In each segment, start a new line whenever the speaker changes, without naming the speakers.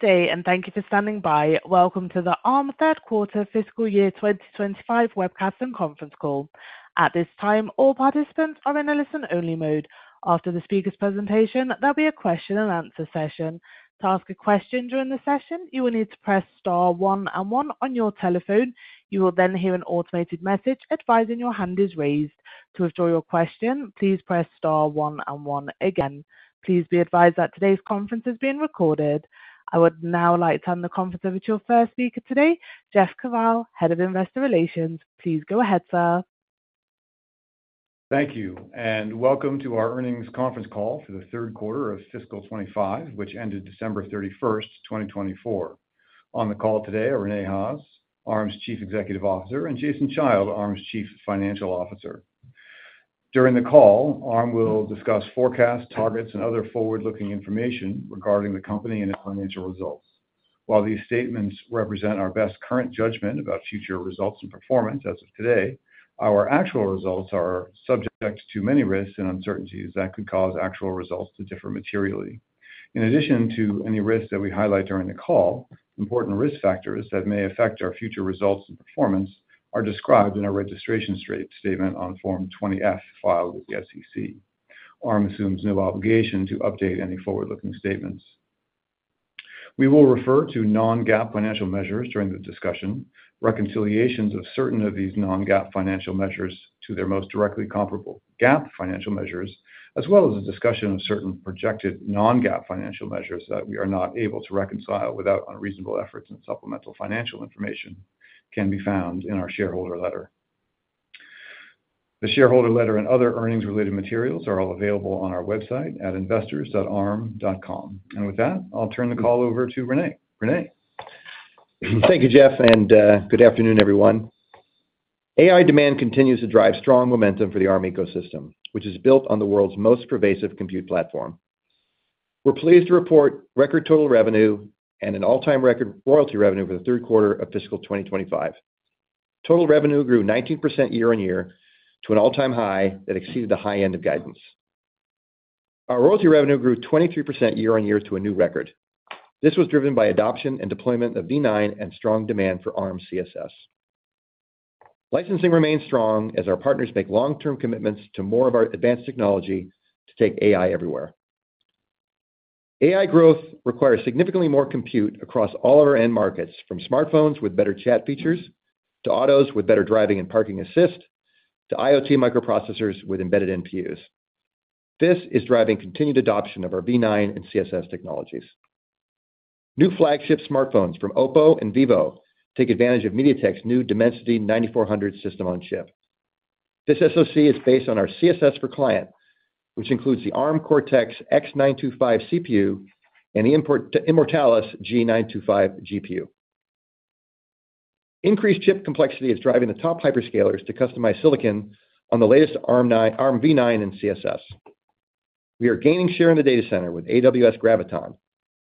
day and thank you for standing by. Welcome to the Arm Third Quarter Fiscal Year 2025 Webcast and Conference Call. At this time, all participants are in a listen-only mode. After the speaker's presentation, there'll be a question and answer session. To ask a question during the session, you will need to press star one and one on your telephone. You will then hear an automated message advising your hand is raised. To withdraw your question, please press star one and one again. Please be advised that today's conference is being recorded. I would now like to turn the conference over to your first speaker today, Jeff Kvaal, Head of Investor Relations. Please go ahead, sir.
Thank you, and welcome to our Earnings Conference Call for the Third Quarter of Fiscal 2025, which ended December 31st, 2024. On the call today are Rene Haas, Arm's Chief Executive Officer, and Jason Child, Arm's Chief Financial Officer. During the call, Arm will discuss forecast targets and other forward-looking information regarding the company and its financial results. While these statements represent our best current judgment about future results and performance as of today, our actual results are subject to many risks and uncertainties that could cause actual results to differ materially. In addition to any risks that we highlight during the call, important risk factors that may affect our future results and performance are described in our registration statement on Form 20-F filed with the SEC. Arm assumes no obligation to update any forward-looking statements. We will refer to non-GAAP financial measures during the discussion, reconciliations of certain of these non-GAAP financial measures to their most directly comparable GAAP financial measures, as well as a discussion of certain projected non-GAAP financial measures that we are not able to reconcile without unreasonable efforts and supplemental financial information can be found in our shareholder letter. The shareholder letter and other earnings-related materials are all available on our website at investors.arm.com. And with that, I'll turn the call over to Rene. Rene.
Thank you, Jeff, and good afternoon, everyone. AI demand continues to drive strong momentum for the Arm ecosystem, which is built on the world's most pervasive compute platform. We're pleased to report record total revenue and an all-time record royalty revenue for the third quarter of fiscal 2025. Total revenue grew 19% year-on-year to an all-time high that exceeded the high end of guidance. Our royalty revenue grew 23% year-on-year to a new record. This was driven by adoption and deployment of Armv9 and strong demand for Arm CSS. Licensing remains strong as our partners make long-term commitments to more of our advanced technology to take AI everywhere. AI growth requires significantly more compute across all of our end markets, from smartphones with better chat features to autos with better driving and parking assist, to IoT microprocessors with embedded NPUs. This is driving continued adoption of our Armv9 and CSS technologies. New flagship smartphones from Oppo and Vivo take advantage of MediaTek's new Dimensity 9400 system-on-chip. This SoC is based on our CSS for client, which includes the Arm Cortex-X925 CPU and the Arm Immortalis-G925 GPU. Increased chip complexity is driving the top hyperscalers to customize silicon on the latest Armv9 and CSS. We are gaining share in the data center with AWS Graviton,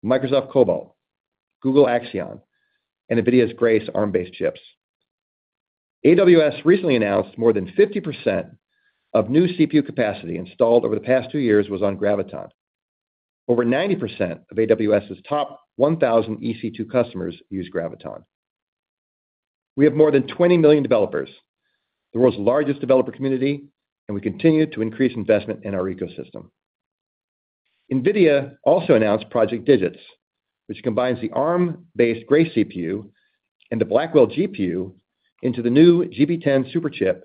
Microsoft Cobalt, Google Axion, and NVIDIA's Grace Arm-based chips. AWS recently announced more than 50% of new CPU capacity installed over the past two years was on Graviton. Over 90% of AWS's top 1,000 EC2 customers use Graviton. We have more than 20 million developers, the world's largest developer community, and we continue to increase investment in our ecosystem. NVIDIA also announced Project DIGITS, which combines the Arm-based Grace CPU and the Blackwell GPU into the new GB10 Superchip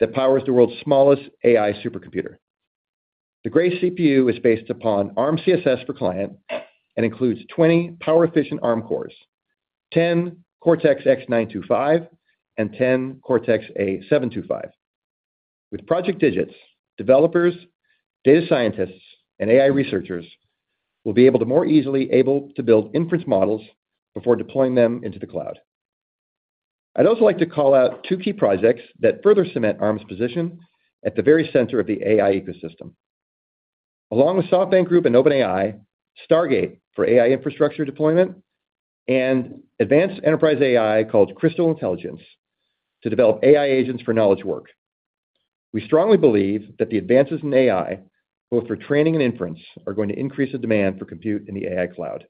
that powers the world's smallest AI supercomputer. The Grace CPU is based upon Arm CSS for client and includes 20 power-efficient Arm cores, 10 Cortex-X925 and 10 Cortex-A725. With Project DIGITS, developers, data scientists, and AI researchers will be able to more easily build inference models before deploying them into the cloud. I'd also like to call out two key projects that further cement Arm's position at the very center of the AI ecosystem, along with SoftBank Group and OpenAI, Stargate for AI infrastructure deployment, and advanced enterprise AI called Crystal Intelligence to develop AI agents for knowledge work. We strongly believe that the advances in AI, both for training and inference, are going to increase the demand for compute in the AI cloud.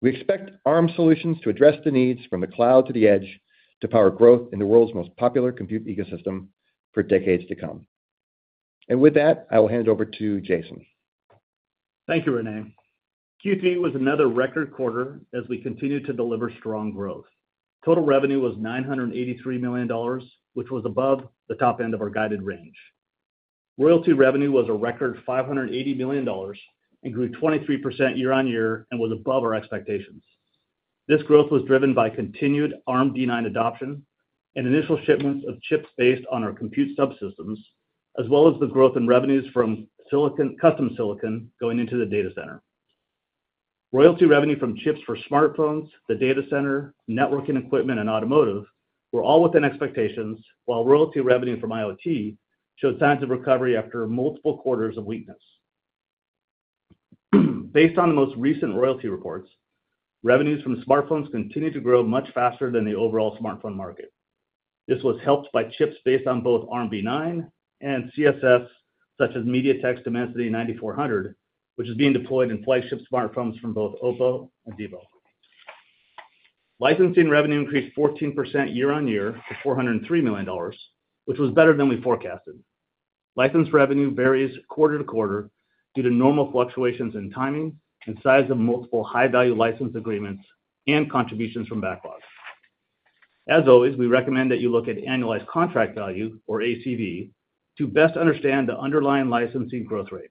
We expect Arm solutions to address the needs from the cloud to the edge to power growth in the world's most popular compute ecosystem for decades to come. And with that, I will hand it over to Jason.
Thank you, Rene. Q3 was another record quarter as we continued to deliver strong growth. Total revenue was $983 million, which was above the top end of our guided range. Royalty revenue was a record $580 million and grew 23% year-on-year and was above our expectations. This growth was driven by continued Armv9 adoption and initial shipments of chips based on our compute subsystems, as well as the growth in revenues from custom silicon going into the data center. Royalty revenue from chips for smartphones, the data center, networking equipment, and automotive were all within expectations, while royalty revenue from IoT showed signs of recovery after multiple quarters of weakness. Based on the most recent royalty reports, revenues from smartphones continue to grow much faster than the overall smartphone market. This was helped by chips based on both Armv9 and CSS, such as MediaTek's Dimensity 9400, which is being deployed in flagship smartphones from both Oppo and Vivo. Licensing revenue increased 14% year-on-year to $403 million, which was better than we forecasted. License revenue varies quarter to quarter due to normal fluctuations in timing and size of multiple high-value license agreements and contributions from backlogs. As always, we recommend that you look at annualized contract value, or ACV, to best understand the underlying licensing growth rate.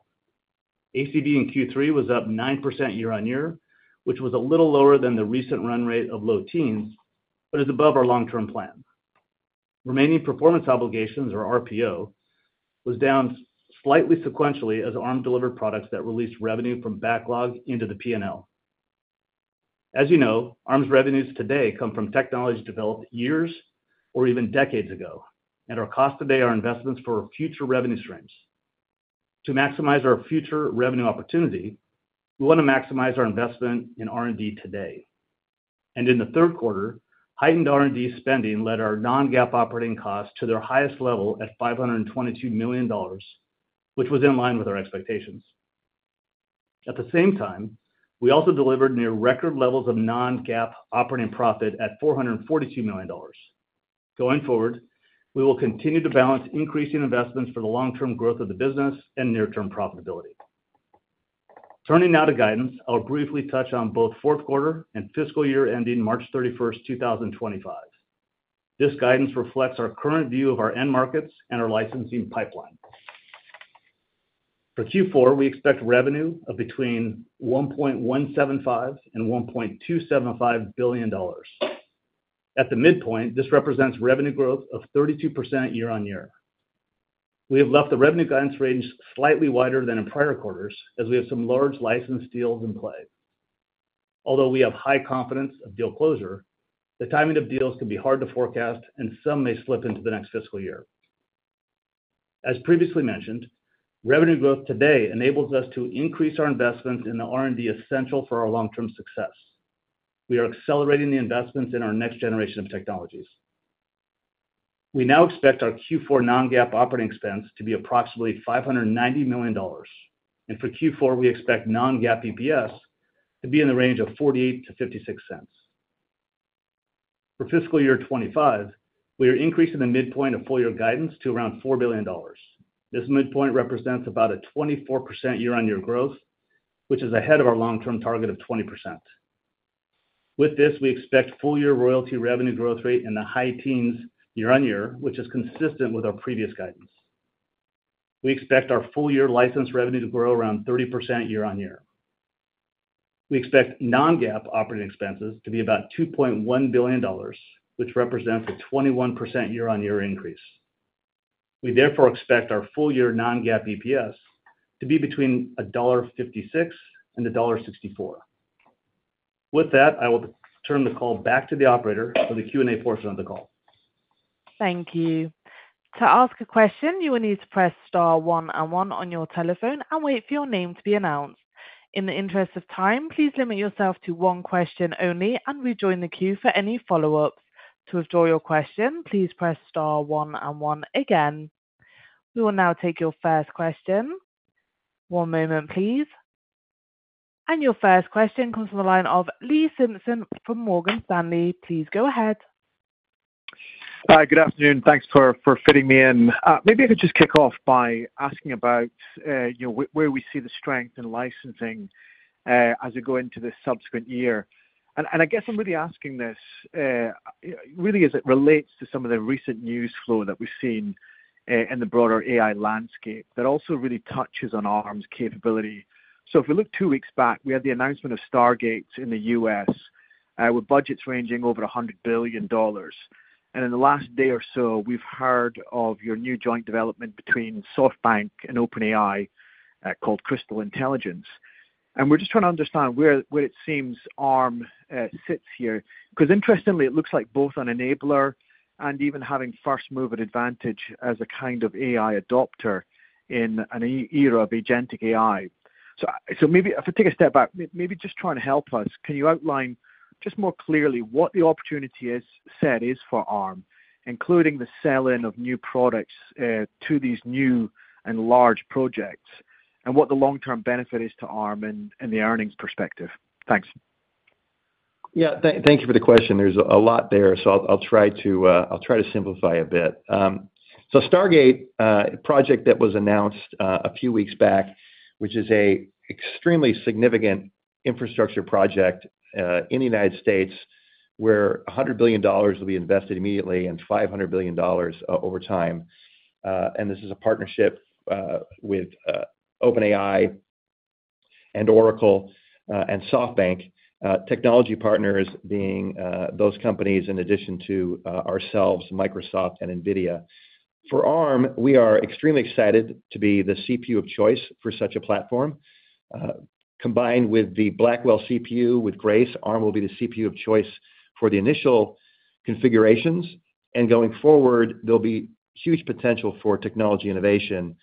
ACV in Q3 was up 9% year-on-year, which was a little lower than the recent run rate of low teens, but is above our long-term plan. Remaining performance obligations, or RPO, was down slightly sequentially as Arm delivered products that released revenue from backlog into the P&L. As you know, Arm's revenues today come from technology developed years or even decades ago, and are costing today our investments for future revenue streams. To maximize our future revenue opportunity, we want to maximize our investment in R&D today. And in the third quarter, heightened R&D spending led our non-GAAP operating costs to their highest level at $522 million, which was in line with our expectations. At the same time, we also delivered near record levels of non-GAAP operating profit at $442 million. Going forward, we will continue to balance increasing investments for the long-term growth of the business and near-term profitability. Turning now to guidance, I'll briefly touch on both fourth quarter and fiscal year ending March 31st, 2025. This guidance reflects our current view of our end markets and our licensing pipeline. For Q4, we expect revenue of between $1.175 and $1.275 billion. At the midpoint, this represents revenue growth of 32% year-on-year. We have left the revenue guidance range slightly wider than in prior quarters as we have some large license deals in play. Although we have high confidence of deal closure, the timing of deals can be hard to forecast, and some may slip into the next fiscal year. As previously mentioned, revenue growth today enables us to increase our investments in the R&D essential for our long-term success. We are accelerating the investments in our next generation of technologies. We now expect our Q4 non-GAAP operating expense to be approximately $590 million. And for Q4, we expect non-GAAP EPS to be in the range of $0.48-$0.56. For fiscal year 2025, we are increasing the midpoint of full-year guidance to around $4 billion. This midpoint represents about a 24% year-on-year growth, which is ahead of our long-term target of 20%. With this, we expect full-year royalty revenue growth rate in the high teens year-on-year, which is consistent with our previous guidance. We expect our full-year license revenue to grow around 30% year-on-year. We expect non-GAAP operating expenses to be about $2.1 billion, which represents a 21% year-on-year increase. We therefore expect our full-year non-GAAP EPS to be between $1.56 and $1.64. With that, I will turn the call back to the operator for the Q&A portion of the call.
Thank you. To ask a question, you will need to press star one and one on your telephone and wait for your name to be announced. In the interest of time, please limit yourself to one question only and rejoin the queue for any follow-ups. To withdraw your question, please press star one and one again. We will now take your first question. One moment, please, and your first question comes from the line of Lee Simpson from Morgan Stanley. Please go ahead.
Hi, good afternoon. Thanks for fitting me in. Maybe I could just kick off by asking about where we see the strength in licensing as we go into this subsequent year. And I guess I'm really asking this really as it relates to some of the recent news flow that we've seen in the broader AI landscape that also really touches on Arm's capability. So if we look two weeks back, we had the announcement of Stargate in the U.S. with budgets ranging over $100 billion. And in the last day or so, we've heard of your new joint development between SoftBank and OpenAI called Crystal Intelligence. And we're just trying to understand where it seems Arm sits here. Because interestingly, it looks like both an enabler and even having first-mover advantage as a kind of AI adopter in an era of Agentic AI. So maybe if I take a step back, maybe just trying to help us, can you outline just more clearly what the opportunity set is for Arm, including the sale-in of new products to these new and large projects and what the long-term benefit is to Arm and the earnings perspective? Thanks.
Yeah, thank you for the question. There's a lot there, so I'll try to simplify a bit so Stargate, a project that was announced a few weeks back, which is an extremely significant infrastructure project in the United States where $100 billion will be invested immediately and $500 billion over time. And this is a partnership with OpenAI and Oracle and SoftBank, technology partners being those companies in addition to ourselves, Microsoft and NVIDIA. For Arm, we are extremely excited to be the CPU of choice for such a platform. Combined with the Blackwell CPU with Grace, Arm will be the CPU of choice for the initial configurations. And going forward, there'll be huge potential for technology innovation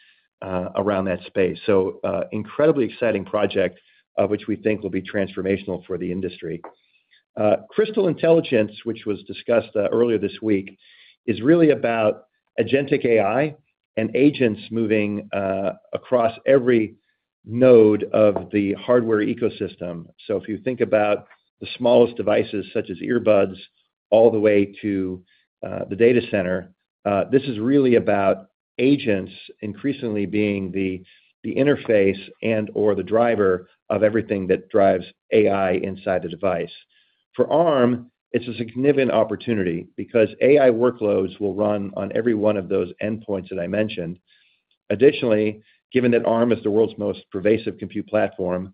around that space. So an incredibly exciting project which we think will be transformational for the industry. Crystal Intelligence, which was discussed earlier this week, is really about agentic AI and agents moving across every node of the hardware ecosystem. So if you think about the smallest devices, such as earbuds, all the way to the data center, this is really about agents increasingly being the interface and/or the driver of everything that drives AI inside the device. For Arm, it's a significant opportunity because AI workloads will run on every one of those endpoints that I mentioned. Additionally, given that Arm is the world's most pervasive compute platform,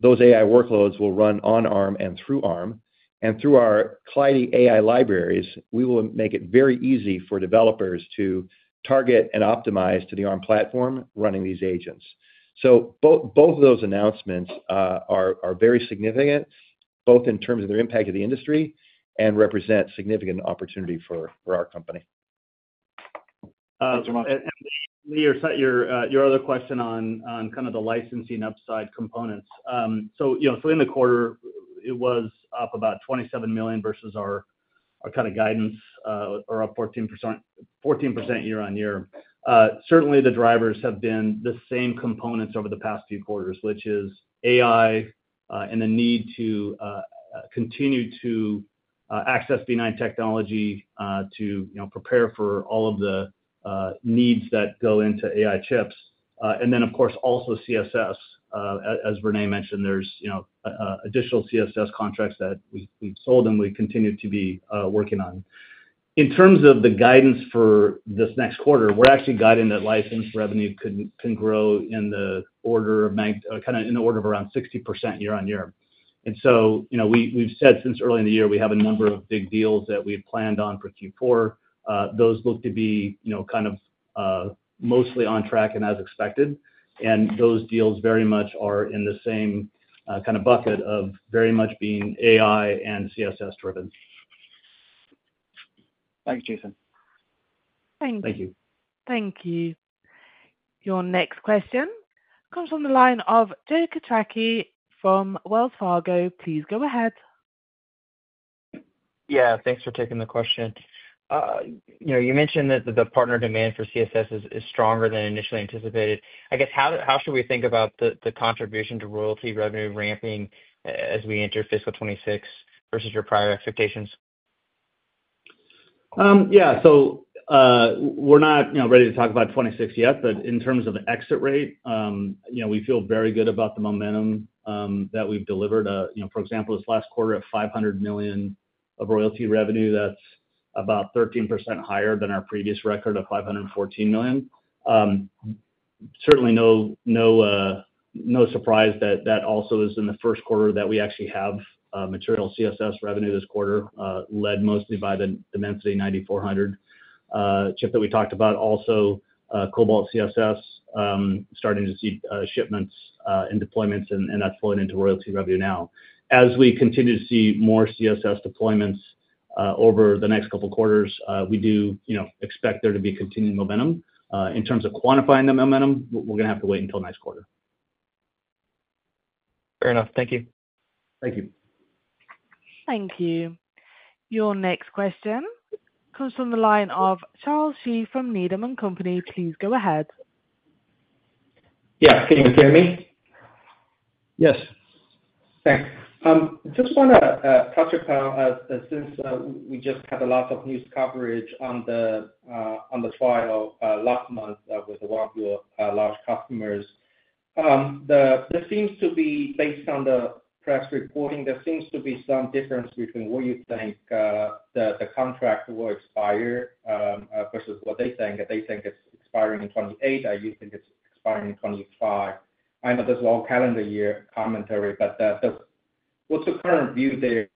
those AI workloads will run on Arm and through Arm. And through our KleidiAI libraries, we will make it very easy for developers to target and optimize to the Arm platform running these agents. Both of those announcements are very significant, both in terms of their impact to the industry and represent significant opportunity for our company.
Thanks, Rene. And Lee, your other question on kind of the licensing upside components. So in the quarter, it was up about $27 million versus our kind of guidance, or up 14% year-on-year. Certainly, the drivers have been the same components over the past few quarters, which is AI and the need to continue to access Armv9 technology to prepare for all of the needs that go into AI chips. And then, of course, also CSS. As Rene mentioned, there's additional CSS contracts that we've sold and we continue to be working on. In terms of the guidance for this next quarter, we're actually guiding that license revenue can grow in the order of kind of in the order of around 60% year-on-year. And so we've said since early in the year, we have a number of big deals that we've planned on for Q4. Those look to be kind of mostly on track and as expected, and those deals very much are in the same kind of bucket of very much being AI and CSS-driven.
Thanks, Jason.
Thanks.
Thank you.
Thank you. Your next question comes from the line of Gary Mobley from Wells Fargo. Please go ahead.
Yeah, thanks for taking the question. You mentioned that the partner demand for CSS is stronger than initially anticipated. I guess how should we think about the contribution to royalty revenue ramping as we enter fiscal 2026 versus your prior expectations?
Yeah, so we're not ready to talk about 2026 yet, but in terms of exit rate, we feel very good about the momentum that we've delivered. For example, this last quarter at $500 million of royalty revenue, that's about 13% higher than our previous record of $514 million. Certainly, no surprise that that also is in the first quarter that we actually have material CSS revenue this quarter, led mostly by the Dimensity 9400 chip that we talked about. Also, Cobalt CSS starting to see shipments and deployments, and that's flowing into royalty revenue now. As we continue to see more CSS deployments over the next couple of quarters, we do expect there to be continued momentum. In terms of quantifying the momentum, we're going to have to wait until next quarter.
Fair enough. Thank you.
Thank you.
Thank you. Your next question comes from the line of Charles Shi from Needham & Company. Please go ahead.
Yeah, can you hear me?
Yes.
Thanks. Just want to touch upon since we just had a lot of news coverage on the trial last month with one of your large customers. There seems to be, based on the press reporting, there seems to be some difference between what you think the contract will expire versus what they think. They think it's expiring in 2028. You think it's expiring in 2025. I know there's a whole calendar year commentary, but what's the current view there?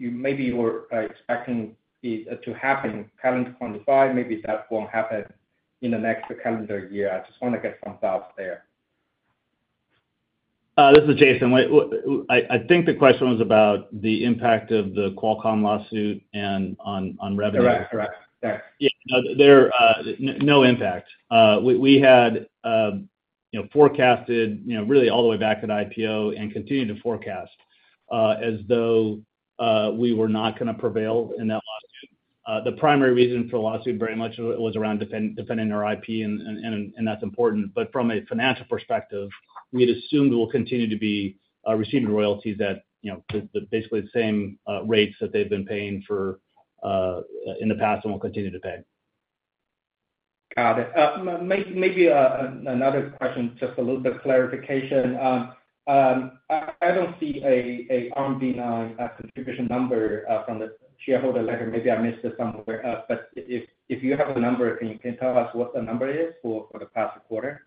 Maybe you were expecting it to happen calendar 2025. Maybe that won't happen in the next calendar year. I just want to get some thoughts there.
This is Jason. I think the question was about the impact of the Qualcomm lawsuit and on revenue.
Correct, correct.
Yeah, no impact. We had forecasted really all the way back to the IPO and continued to forecast as though we were not going to prevail in that lawsuit. The primary reason for the lawsuit very much was around defending our IP, and that's important. But from a financial perspective, we had assumed we'll continue to be receiving royalties at basically the same rates that they've been paying for in the past and will continue to pay.
Got it. Maybe another question, just a little bit of clarification. I don't see an Armv9 contribution number from the shareholder letter. Maybe I missed it somewhere. But if you have a number, can you tell us what the number is for the past quarter?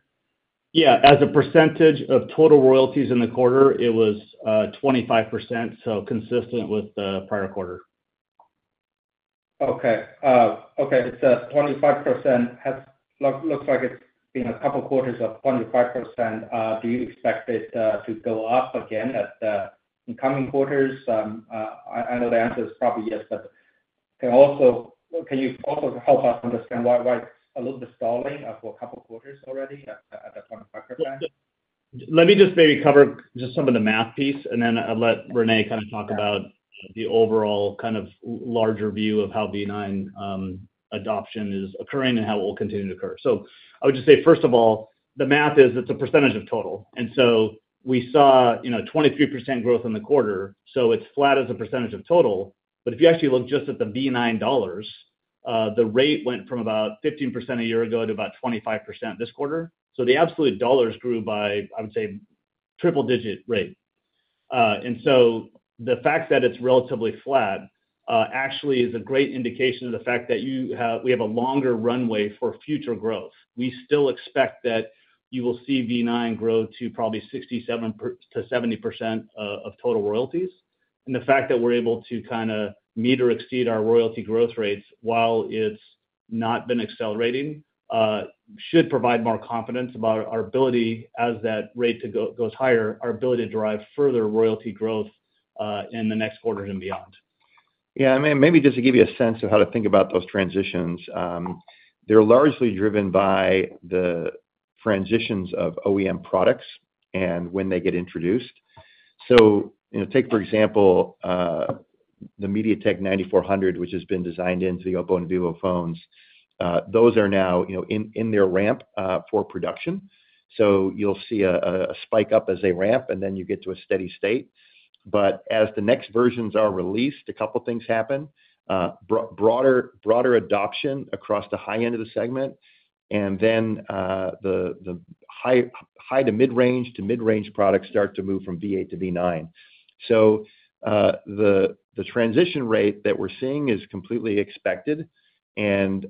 Yeah, as a percentage of total royalties in the quarter, it was 25%, so consistent with the prior quarter.
Okay. Okay, it's 25%. Looks like it's been a couple of quarters of 25%. Do you expect it to go up again in coming quarters? I know the answer is probably yes, but can you also help us understand why it's a little bit stalling for a couple of quarters already at that 25%?
Let me just maybe cover just some of the math piece, and then I'll let Rene kind of talk about the overall kind of larger view of how Armv9 adoption is occurring and how it will continue to occur. So I would just say, first of all, the math is it's a percentage of total. And so we saw 23% growth in the quarter, so it's flat as a percentage of total. But if you actually look just at the Armv9 dollars, the rate went from about 15% a year ago to about 25% this quarter. So the absolute dollars grew by, I would say, triple-digit rate. And so the fact that it's relatively flat actually is a great indication of the fact that we have a longer runway for future growth. We still expect that you will see Armv9 grow to probably 67%-70% of total royalties. The fact that we're able to kind of meet or exceed our royalty growth rates while it's not been accelerating should provide more confidence about our ability as that rate goes higher, our ability to drive further royalty growth in the next quarters and beyond.
Yeah, and maybe just to give you a sense of how to think about those transitions, they're largely driven by the transitions of OEM products and when they get introduced. So take, for example, the Dimensity 9400, which has been designed into the Oppo and Vivo phones. Those are now in their ramp for production. So you'll see a spike up as they ramp, and then you get to a steady state. But as the next versions are released, a couple of things happen: broader adoption across the high end of the segment, and then the high to mid-range to mid-range products start to move from Armv8 to Armv9. So the transition rate that we're seeing is completely expected and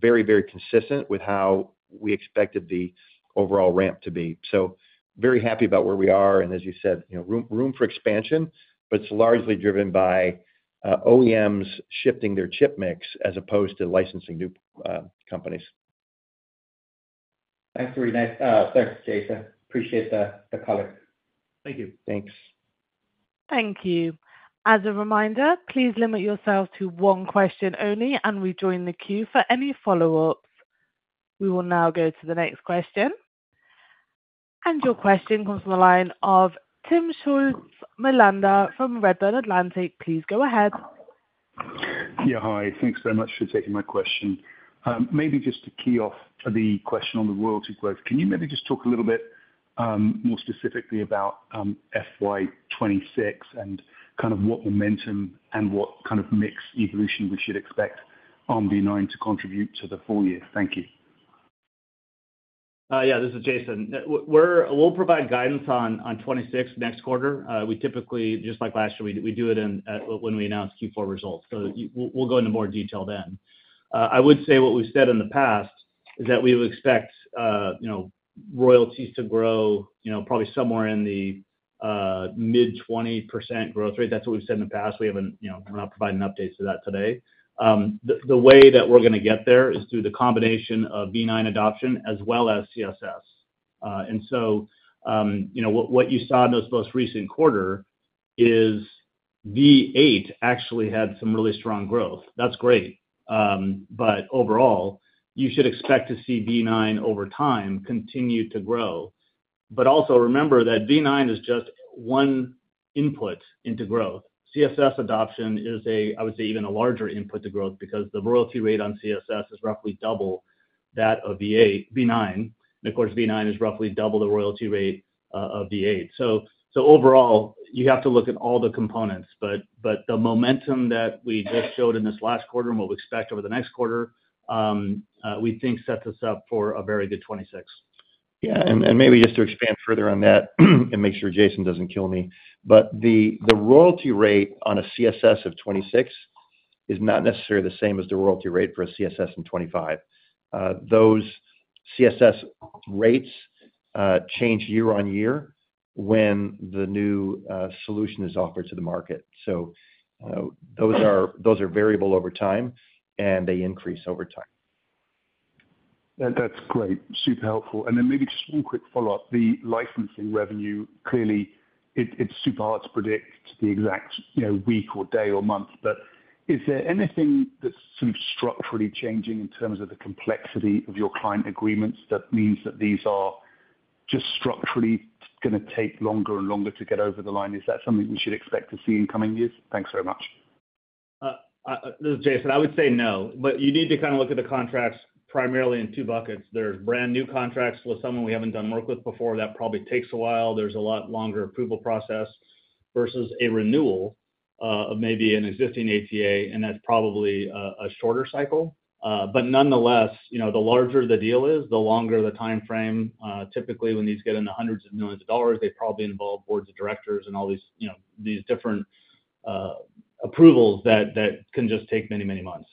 very, very consistent with how we expected the overall ramp to be. So very happy about where we are. As you said, room for expansion, but it's largely driven by OEMs shifting their chip mix as opposed to licensing new companies.
Thanks, Jason. Appreciate the color.
Thank you.
Thanks.
Thank you. As a reminder, please limit yourself to one question only, and we join the queue for any follow-ups. We will now go to the next question. And your question comes from the line of Timm Schulze-Melander from Redburn Atlantic. Please go ahead.
Yeah, hi. Thanks very much for taking my question. Maybe just to key off the question on the royalty growth, can you maybe just talk a little bit more specifically about FY26 and kind of what momentum and what kind of mixed evolution we should expect Armv9 to contribute to the full year? Thank you.
Yeah, this is Jason. We'll provide guidance on 2026 next quarter. We typically, just like last year, do it when we announce Q4 results so we'll go into more detail then. I would say what we've said in the past is that we would expect royalties to grow probably somewhere in the mid-20% growth rate. That's what we've said in the past. We're not providing updates to that today. The way that we're going to get there is through the combination of Armv9 adoption as well as CSS and what you saw in those most recent quarters is Amv8 actually had some really strong growth. That's great. Overall, you should expect to see Armv9 over time continue to grow. Also remember that Armv9 is just one input into growth. CSS adoption is, I would say, even a larger input to growth because the royalty rate on CSS is roughly double that of Armv9. And of course, Armv9 is roughly double the royalty rate of Armv8. So overall, you have to look at all the components. But the momentum that we just showed in this last quarter and what we expect over the next quarter, we think sets us up for a very good 2026.
Yeah, and maybe just to expand further on that and make sure Jason doesn't kill me, but the royalty rate on a CSS of 2026 is not necessarily the same as the royalty rate for a CSS in 2025. Those CSS rates change year-on-year when the new solution is offered to the market. Those are variable over time, and they increase over time.
That's great. Super helpful. And then maybe just one quick follow-up. The licensing revenue, clearly, it's super hard to predict the exact week or day or month. But is there anything that's sort of structurally changing in terms of the complexity of your client agreements that means that these are just structurally going to take longer and longer to get over the line? Is that something we should expect to see in coming years? Thanks very much.
This is Jason. I would say no, but you need to kind of look at the contracts primarily in two buckets. There's brand new contracts with someone we haven't done work with before. That probably takes a while. There's a lot longer approval process versus a renewal of maybe an existing ATA, and that's probably a shorter cycle. But nonetheless, the larger the deal is, the longer the timeframe. Typically, when these get in the hundreds of millions of dollars, they probably involve boards of directors and all these different approvals that can just take many, many months,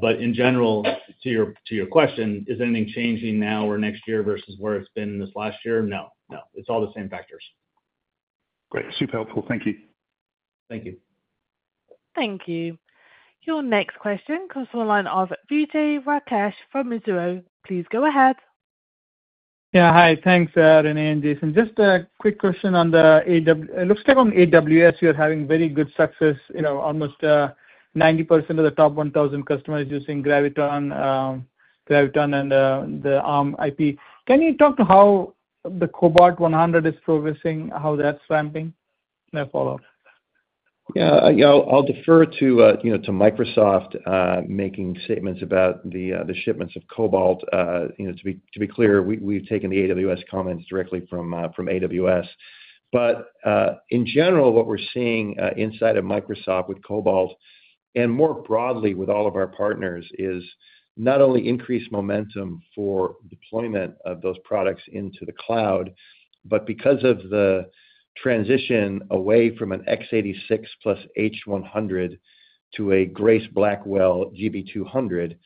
but in general, to your question, is anything changing now or next year versus where it's been this last year? No, no. It's all the same factors.
Great. Super helpful. Thank you.
Thank you.
Thank you. Your next question comes from the line of Vijay Rakesh from Mizuho. Please go ahead.
Yeah, hi. Thanks, Rene and Jason. Just a quick question on the AWS. It looks like on AWS, you're having very good success. Almost 90% of the top 1,000 customers using Graviton and the Arm IP. Can you talk to how the Cobalt 100 is progressing, how that's ramping? No follow-up.
Yeah, I'll defer to Microsoft making statements about the shipments of Cobalt. To be clear, we've taken the AWS comments directly from AWS. But in general, what we're seeing inside of Microsoft with Cobalt and more broadly with all of our partners is not only increased momentum for deployment of those products into the cloud, but because of the transition away from an x86 plus H100 to a Grace Blackwell GB200,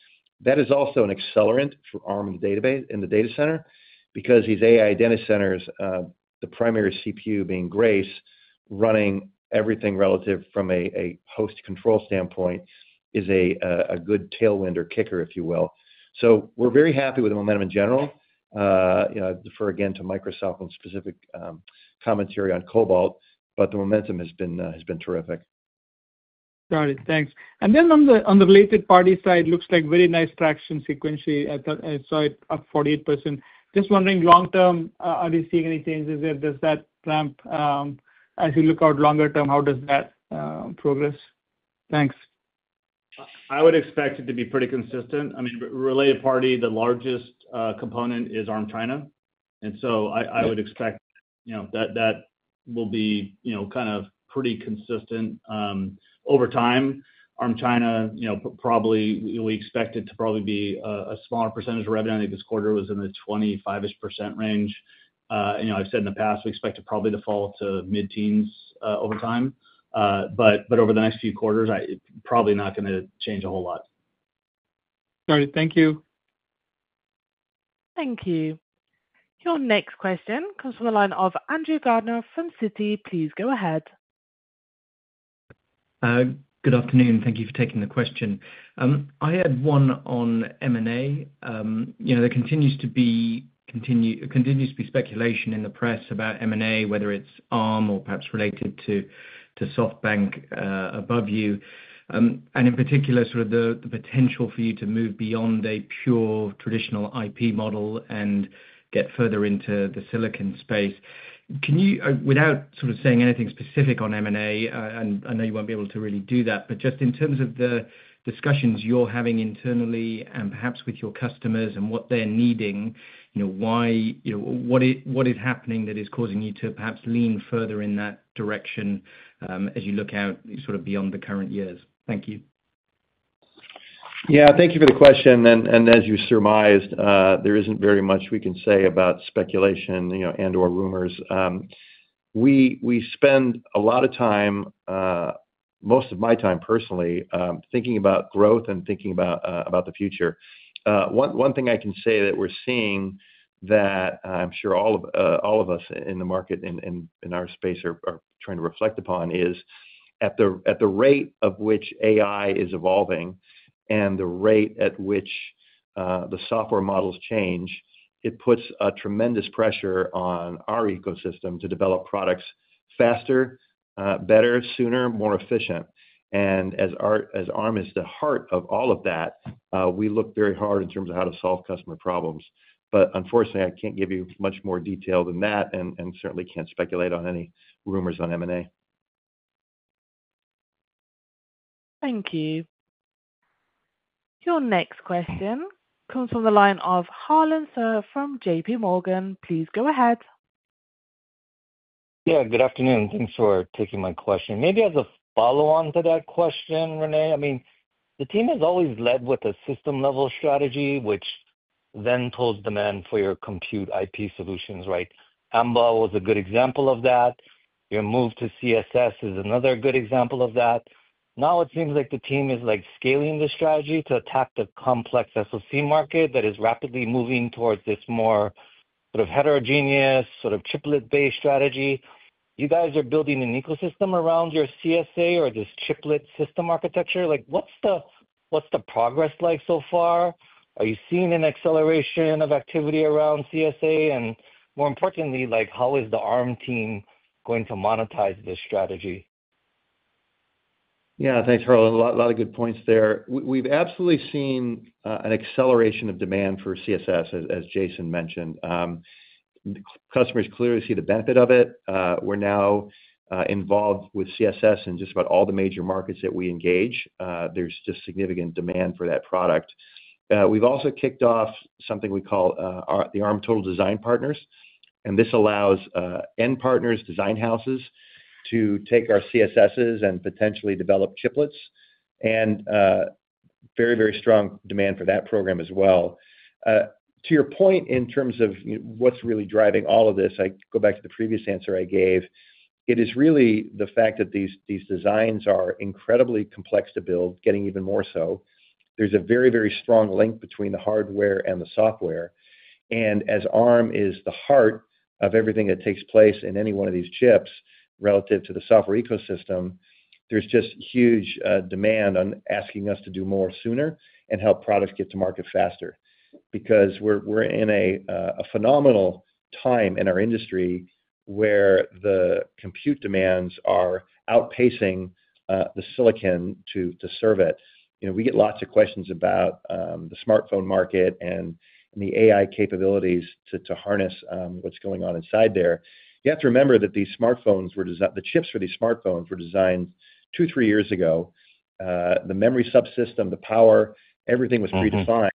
that is also an accelerant for Arm in the data center because these AI data centers, the primary CPU being Grace, running everything relative from a host control standpoint is a good tailwind or kicker, if you will. So we're very happy with the momentum in general. I'd defer again to Microsoft on specific commentary on Cobalt, but the momentum has been terrific.
Got it. Thanks. And then on the related party side, looks like very nice traction sequentially. I saw it up 48%. Just wondering, long term, are you seeing any changes there? Does that ramp as you look out longer term? How does that progress? Thanks.
I would expect it to be pretty consistent. I mean, related party, the largest component is Arm China. And so I would expect that that will be kind of pretty consistent over time. Arm China, probably we expect it to probably be a smaller percentage of revenue. I think this quarter was in the 25-ish% range. I've said in the past, we expect to probably default to mid-teens over time. But over the next few quarters, probably not going to change a whole lot.
All right. Thank you.
Thank you. Your next question comes from the line of Andrew Gardiner from Citi. Please go ahead.
Good afternoon. Thank you for taking the question. I had one on M&A. There continues to be speculation in the press about M&A, whether it's Arm or perhaps related to SoftBank buyout, and in particular, sort of the potential for you to move beyond a pure traditional IP model and get further into the silicon space. Without sort of saying anything specific on M&A, I know you won't be able to really do that, but just in terms of the discussions you're having internally and perhaps with your customers and what they're needing, what is happening that is causing you to perhaps lean further in that direction as you look out sort of beyond the current years? Thank you.
Yeah, thank you for the question. And as you surmised, there isn't very much we can say about speculation and/or rumors. We spend a lot of time, most of my time personally, thinking about growth and thinking about the future. One thing I can say that we're seeing that I'm sure all of us in the market and in our space are trying to reflect upon is at the rate of which AI is evolving and the rate at which the software models change, it puts a tremendous pressure on our ecosystem to develop products faster, better, sooner, more efficient. And as Arm is the heart of all of that, we look very hard in terms of how to solve customer problems. But unfortunately, I can't give you much more detail than that and certainly can't speculate on any rumors on M&A.
Thank you. Your next question comes from the line of Harlan Sur from J.P. Morgan. Please go ahead.
Yeah, good afternoon. Thanks for taking my question. Maybe as a follow-on to that question, Rene, I mean, the team has always led with a system-level strategy, which then pulls demand for your compute IP solutions, right? Amber was a good example of that. Your move to CSS is another good example of that. Now it seems like the team is scaling the strategy to attack the complex SOC market that is rapidly moving towards this more sort of heterogeneous, sort of chiplet-based strategy. You guys are building an ecosystem around your CSA or this Chiplet System Architecture. What's the progress like so far? Are you seeing an acceleration of activity around CSA? And more importantly, how is the Arm team going to monetize this strategy?
Yeah, thanks, Harlan. A lot of good points there. We've absolutely seen an acceleration of demand for CSS, as Jason mentioned. Customers clearly see the benefit of it. We're now involved with CSS in just about all the major markets that we engage. There's just significant demand for that product. We've also kicked off something we call the Arm Total Design Partners, and this allows end partners, design houses, to take our CSSs and potentially develop chiplets, and very, very strong demand for that program as well. To your point in terms of what's really driving all of this, I go back to the previous answer I gave. It is really the fact that these designs are incredibly complex to build, getting even more so. There's a very, very strong link between the hardware and the software. As Arm is the heart of everything that takes place in any one of these chips relative to the software ecosystem, there's just huge demand on asking us to do more sooner and help products get to market faster because we're in a phenomenal time in our industry where the compute demands are outpacing the silicon to serve it. We get lots of questions about the smartphone market and the AI capabilities to harness what's going on inside there. You have to remember that the chips for these smartphones were designed two, three years ago. The memory subsystem, the power, everything was pre-defined.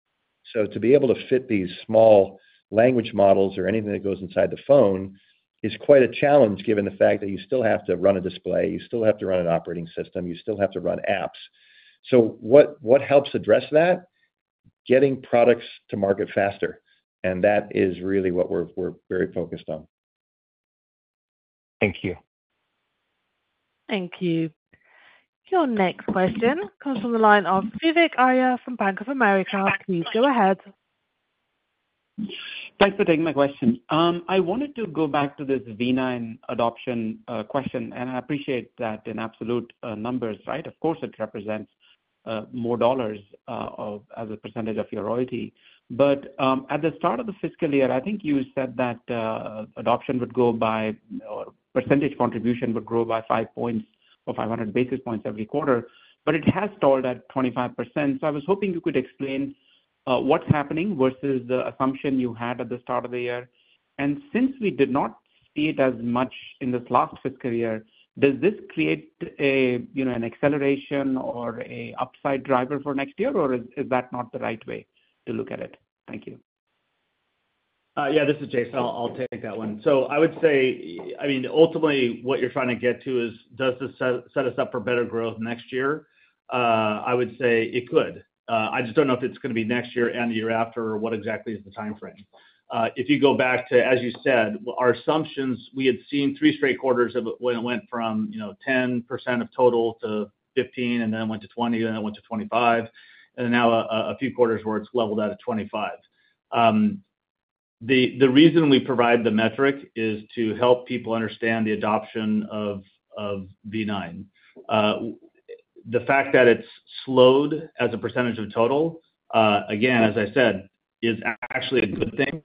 So to be able to fit these small language models or anything that goes inside the phone is quite a challenge given the fact that you still have to run a display. You still have to run an operating system. You still have to run apps. What helps address that? Getting products to market faster. That is really what we're very focused on.
Thank you.
Thank you. Your next question comes from the line of Vivek Arya from Bank of America. Please go ahead.
Thanks for taking my question. I wanted to go back to this Armv9 adoption question, and I appreciate that in absolute numbers, right? Of course, it represents more dollars as a percentage of your royalty. But at the start of the fiscal year, I think you said that adoption would go by or percentage contribution would grow by five points or 500 basis points every quarter. But it has stalled at 25%. So I was hoping you could explain what's happening versus the assumption you had at the start of the year. And since we did not see it as much in this last fiscal year, does this create an acceleration or an upside driver for next year, or is that not the right way to look at it? Thank you.
Yeah, this is Jason. I'll take that one. So I would say, I mean, ultimately, what you're trying to get to is, does this set us up for better growth next year? I would say it could. I just don't know if it's going to be next year and the year after or what exactly is the time frame. If you go back to, as you said, our assumptions, we had seen three straight quarters when it went from 10% of total to 15%, and then it went to 20%, and then it went to 25%, and now a few quarters where it's leveled out at 25%. The reason we provide the metric is to help people understand the adoption of Armv9. The fact that it's slowed as a percentage of total, again, as I said, is actually a good thing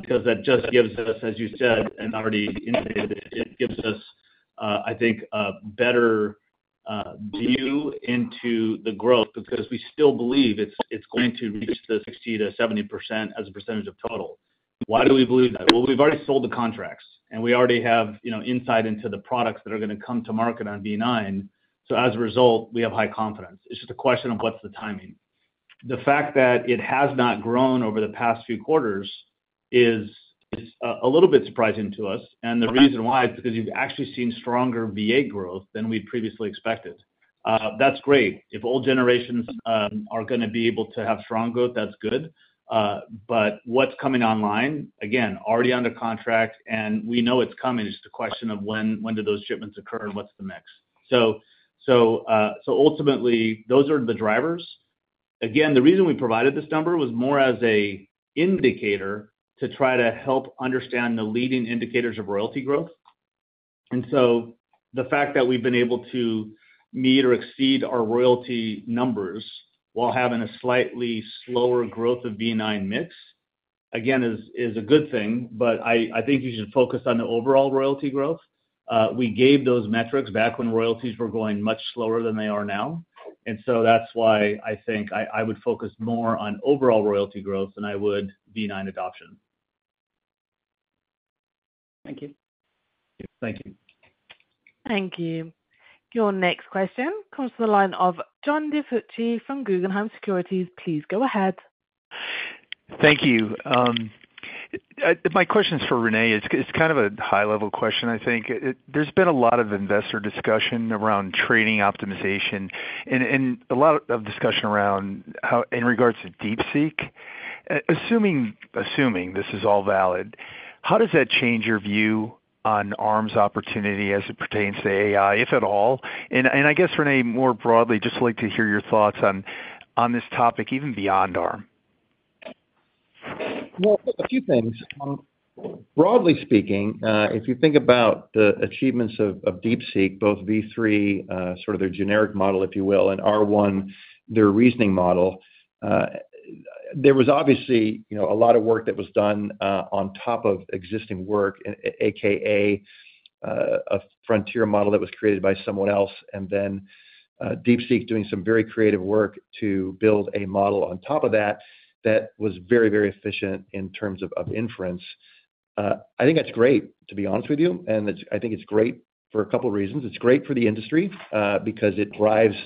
because that just gives us, as you said, and already indicated, it gives us, I think, a better view into the growth because we still believe it's going to reach the 60%-70% as a percentage of total. Why do we believe that? Well, we've already sold the contracts, and we already have insight into the products that are going to come to market on Armv9. So as a result, we have high confidence. It's just a question of what's the timing. The fact that it has not grown over the past few quarters is a little bit surprising to us. And the reason why is because you've actually seen stronger Armv8 growth than we previously expected. That's great. If old generations are going to be able to have strong growth, that's good, but what's coming online, again, already under contract, and we know it's coming. It's just a question of when do those shipments occur and what's the mix, so ultimately, those are the drivers. Again, the reason we provided this number was more as an indicator to try to help understand the leading indicators of royalty growth, and so the fact that we've been able to meet or exceed our royalty numbers while having a slightly slower growth of Armv9 mix, again, is a good thing, but I think you should focus on the overall royalty growth. We gave those metrics back when royalties were going much slower than they are now, and so that's why I think I would focus more on overall royalty growth than I would Armv9 adoption.
Thank you.
Thank you.
Thank you. Your next question comes from the line of John DiFucci from Guggenheim Securities. Please go ahead.
Thank you. My question is for Rene. It's kind of a high-level question, I think. There's been a lot of investor discussion around training optimization and a lot of discussion around in regards to DeepSeek. Assuming this is all valid, how does that change your view on Arm's opportunity as it pertains to AI, if at all? And I guess, Rene, more broadly, just like to hear your thoughts on this topic, even beyond Arm.
A few things. Broadly speaking, if you think about the achievements of DeepSeek, both V3, sort of their generic model, if you will, and R1, their reasoning model, there was obviously a lot of work that was done on top of existing work, a.k.a. a frontier model that was created by someone else, and then DeepSeek doing some very creative work to build a model on top of that that was very, very efficient in terms of inference. I think that's great, to be honest with you. I think it's great for a couple of reasons. It's great for the industry because it drives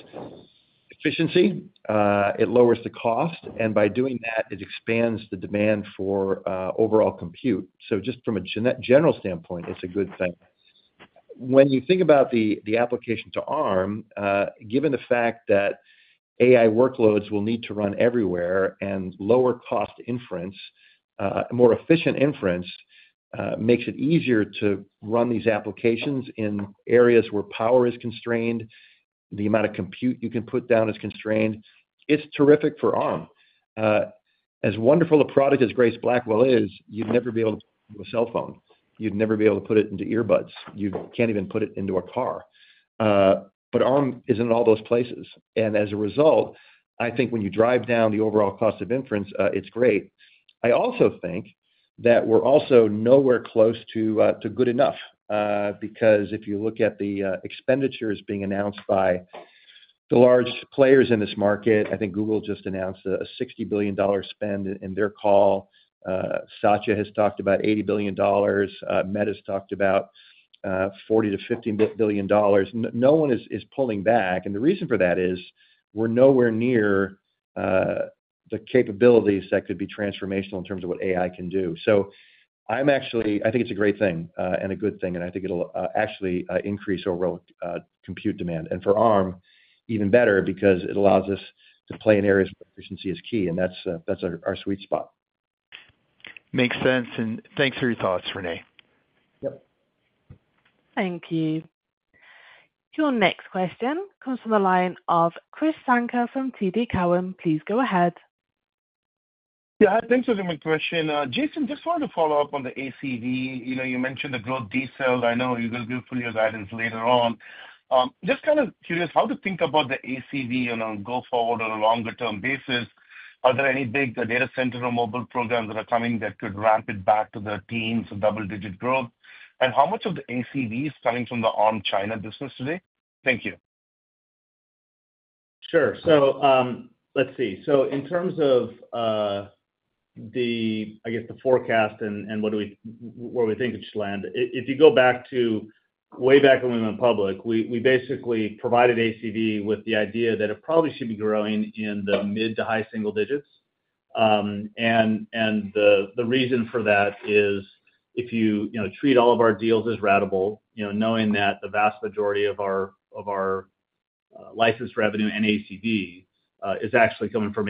efficiency. It lowers the cost. By doing that, it expands the demand for overall compute. Just from a general standpoint, it's a good thing. When you think about the application to Arm, given the fact that AI workloads will need to run everywhere and lower-cost inference, more efficient inference makes it easier to run these applications in areas where power is constrained, the amount of compute you can put down is constrained, it's terrific for Arm. As wonderful a product as Grace Blackwell is, you'd never be able to put it into a cell phone. You'd never be able to put it into earbuds. You can't even put it into a car. But Arm is in all those places. And as a result, I think when you drive down the overall cost of inference, it's great. I also think that we're also nowhere close to good enough because if you look at the expenditures being announced by the large players in this market, I think Google just announced a $60 billion spend in their call. Satya has talked about $80 billion. Meta's talked about $40 billion-$50 billion. No one is pulling back. And the reason for that is we're nowhere near the capabilities that could be transformational in terms of what AI can do. So I think it's a great thing and a good thing, and I think it'll actually increase overall compute demand. And for Arm, even better because it allows us to play in areas where efficiency is key. And that's our sweet spot.
Makes sense. And thanks for your thoughts, Rene.
Yep.
Thank you. Your next question comes from the line of Krish Sankar from TD Cowen. Please go ahead.
Yeah, thanks for the question. Jason, just wanted to follow up on the ACV. You mentioned the growth details. I know you're going to give us all your guidance later on. Just kind of curious how to think about the ACV and go forward on a longer-term basis. Are there any big data center or mobile programs that are coming that could ramp it back to the teens or double-digit growth? And how much of the ACV is coming from the Arm China business today? Thank you.
Sure. So let's see. So in terms of, I guess, the forecast and where we think it should land, if you go back to way back when we went public, we basically provided ACV with the idea that it probably should be growing in the mid- to high-single digits. And the reason for that is if you treat all of our deals as ratable, knowing that the vast majority of our license revenue and ACV is actually coming from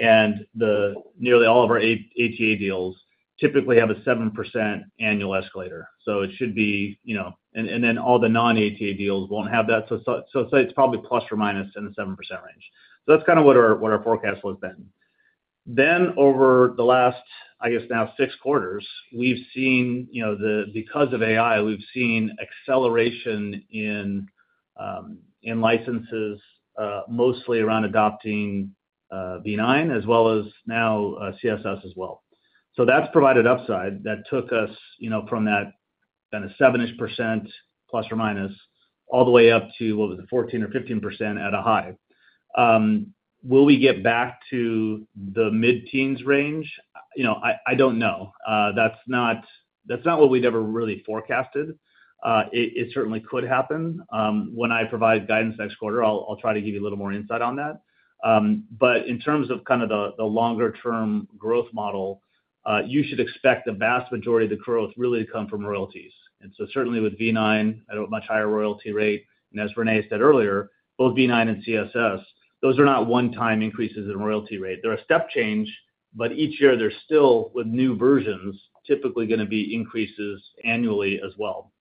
ATA deals. And nearly all of our ATA deals typically have a 7% annual escalator. So it should be—and then all the non-ATA deals won't have that. So it's probably plus or minus in the 7% range. So that's kind of what our forecast would have been. Then over the last, I guess, now six quarters, we've seen, because of AI, we've seen acceleration in licenses mostly around adopting Armv9 as well as now CSS as well. So that's provided upside. That took us from that kind of 7-ish% plus or minus all the way up to, what was it, 14 or 15% at a high. Will we get back to the mid-teens range? I don't know. That's not what we'd ever really forecasted. It certainly could happen. When I provide guidance next quarter, I'll try to give you a little more insight on that. But in terms of kind of the longer-term growth model, you should expect the vast majority of the growth really to come from royalties. And so certainly with Armv9, at a much higher royalty rate. As Rene said earlier, both Armv9 and CSS, those are not one-time increases in royalty rate. They're a step change, but each year there's still, with new versions, typically going to be increases annually as well.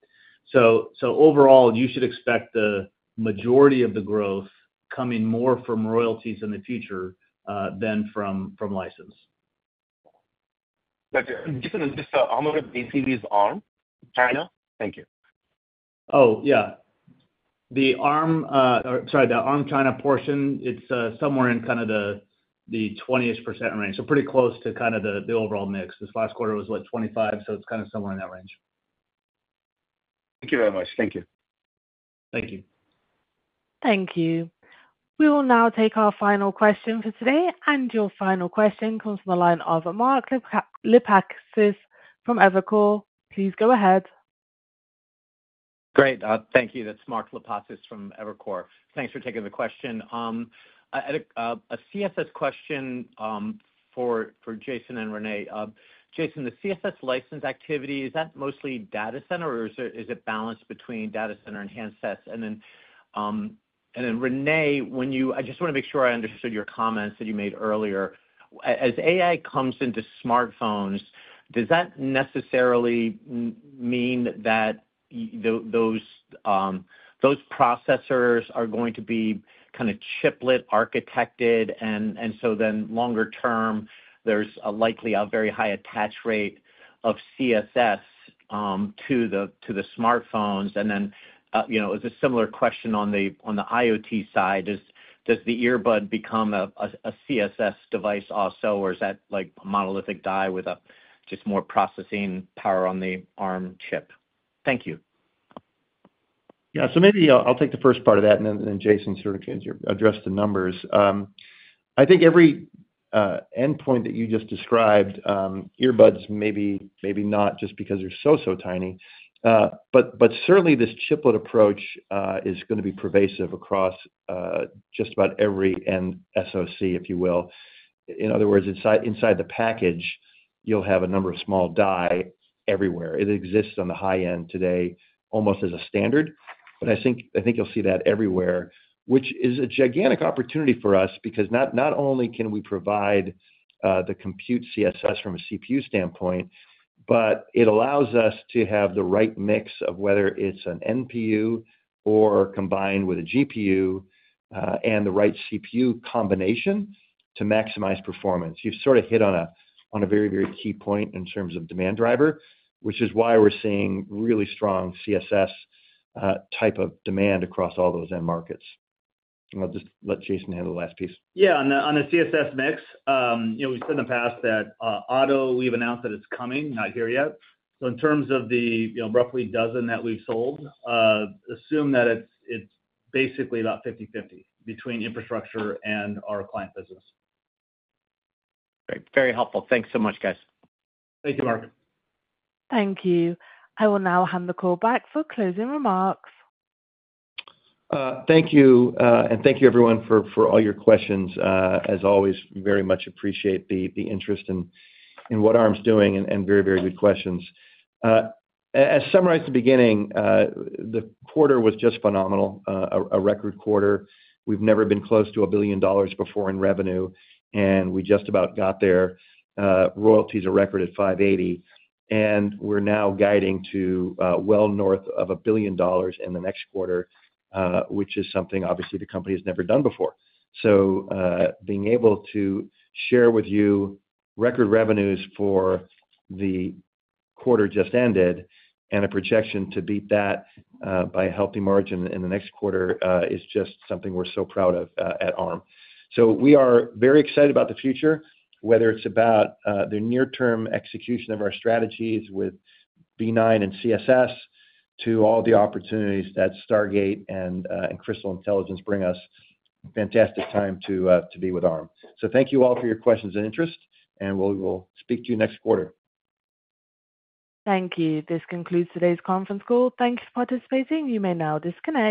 So overall, you should expect the majority of the growth coming more from royalties in the future than from license.
Jason, how much of ACV is Arm China? Thank you.
Oh, yeah. The Arm-sorry, the Arm China portion, it's somewhere in kind of the 20-ish% range. So pretty close to kind of the overall mix. This last quarter was, what, 25%? So it's kind of somewhere in that range.
Thank you very much. Thank you.
Thank you.
Thank you. We will now take our final question for today, and your final question comes from the line of Mark Lipacis from Evercore. Please go ahead.
Great. Thank you. That's Mark Lipacis from Evercore ISI. Thanks for taking the question. A CSS question for Jason and Rene. Jason, the CSS license activity, is that mostly data center, or is it balanced between data center and handsets? And then Rene, I just want to make sure I understood your comments that you made earlier. As AI comes into smartphones, does that necessarily mean that those processors are going to be kind of chiplet architected? And so then longer term, there's likely a very high attach rate of CSS to the smartphones. And then it was a similar question on the IoT side. Does the earbud become a CSS device also, or is that like a monolithic die with just more processing power on the Arm chip? Thank you.
Yeah. So maybe I'll take the first part of that, and then Jason sort of address the numbers. I think every endpoint that you just described, earbuds maybe not just because they're so, so tiny. But certainly, this chiplet approach is going to be pervasive across just about every end SoC, if you will. In other words, inside the package, you'll have a number of small die everywhere. It exists on the high end today almost as a standard. But I think you'll see that everywhere, which is a gigantic opportunity for us because not only can we provide the compute CSS from a CPU standpoint, but it allows us to have the right mix of whether it's an NPU or combined with a GPU and the right CPU combination to maximize performance. You've sort of hit on a very, very key point in terms of demand driver, which is why we're seeing really strong CSS type of demand across all those end markets. And I'll just let Jason handle the last piece.
Yeah. On the CSS mix, we've said in the past that auto, we've announced that it's coming, not here yet. So in terms of the roughly dozen that we've sold, assume that it's basically about 50/50 between infrastructure and our client business.
Great. Very helpful. Thanks so much, guys.
Thank you, Mark.
Thank you. I will now hand the call back for closing remarks.
Thank you. And thank you, everyone, for all your questions. As always, very much appreciate the interest in what Arm's doing and very, very good questions. As summarized at the beginning, the quarter was just phenomenal, a record quarter. We've never been close to a billion dollars before in revenue, and we just about got there. Royalties are recorded at $580. And we're now guiding to well north of a billion dollars in the next quarter, which is something, obviously, the company has never done before. So being able to share with you record revenues for the quarter just ended and a projection to beat that by a healthy margin in the next quarter is just something we're so proud of at Arm. So we are very excited about the future, whether it's about the near-term execution of our strategies with Armv9 and CSS to all the opportunities that Stargate and Crystal Intelligence bring us. Fantastic time to be with Arm. So thank you all for your questions and interest, and we'll speak to you next quarter.
Thank you. This concludes today's conference call. Thanks for participating. You may now disconnect.